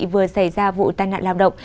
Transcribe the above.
vừa xảy ra vụ tai nạn lao động